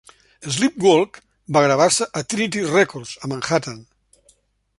"Sleep Walk" va gravar-se a Trinity Records, a Manhattan.